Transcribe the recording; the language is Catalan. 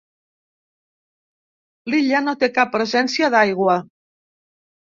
L'illa no té cap presència d'aigua.